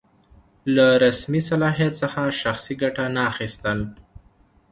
له رسمي صلاحیت څخه شخصي ګټه نه اخیستل.